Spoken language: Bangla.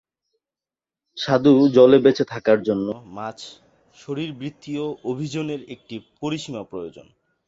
স্বাদু জলে বেঁচে থাকার জন্য, মাছ শারীরবৃত্তীয় অভিযোজনের একটি পরিসীমা প্রয়োজন।